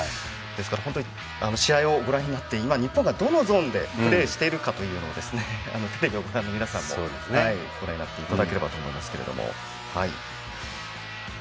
試合をご覧になって今、日本がどのゾーンでプレーしているかというところもテレビのご覧の皆さんご覧になっていただければと思います。